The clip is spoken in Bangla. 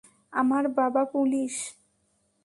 আমার বাবা পুলিশ।